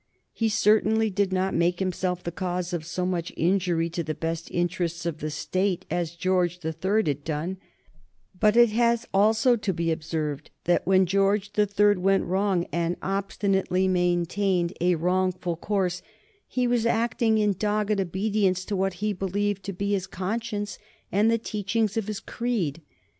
He certainly did not make himself the cause of so much injury to the best interests of the State as George the Third had done, but it has also to be observed that when George the Third went wrong and obstinately maintained a wrongful course he was acting in dogged obedience to what he believed to be his conscience and the teachings of his creed.